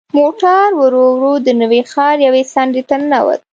موټر ورو ورو د نوي ښار یوې څنډې ته ننوت.